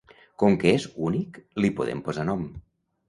Com que és únic, li podem posar nom.